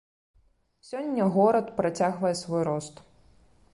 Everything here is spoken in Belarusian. Сёння горад працягвае свой рост.